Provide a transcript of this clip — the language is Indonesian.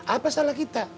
apa salah kita